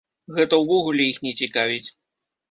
Гэта ўвогуле іх не цікавіць!